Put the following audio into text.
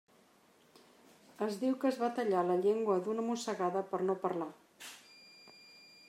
Es diu que es va tallar la llengua d'una mossegada per no parlar.